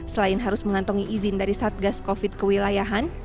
selain harus mengantongi izin dari satgas covid kewilayahan